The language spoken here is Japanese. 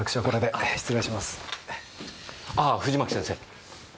ああ藤巻先生！